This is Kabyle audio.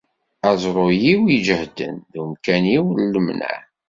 Aẓru-iw iǧehden d umkan-iw n lemneɛ.